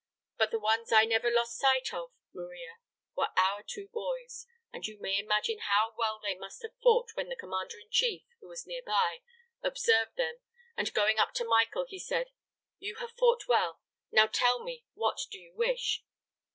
But the ones I never lost sight of, Maria, were our two boys; and you may imagine how well they must have fought when the commander in chief, who was nearby, observed them, and going up to Michael, he said, 'You have fought well. Now tell me, what do you wish?'